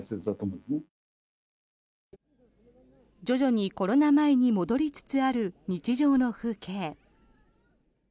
徐々にコロナ前に戻りつつある日常の風景。